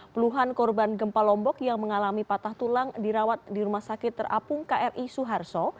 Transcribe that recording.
puluhan korban gempa lombok yang mengalami patah tulang dirawat di rumah sakit terapung kri suharto